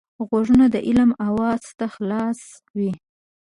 غوږونه د علم آواز ته خلاص وي